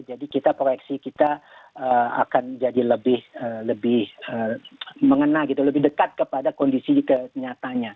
jadi kita proyeksi kita akan jadi lebih mengena gitu lebih dekat kepada kondisi kenyataannya